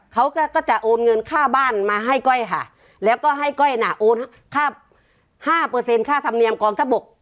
เขาก็ก็จะโอนเงินค่าบ้านมาให้ก้อยค่ะแล้วก็ให้ก้อยน่ะโอนค่าห้าเปอร์เซ็นค่าธรรมเนียมกองทัพบก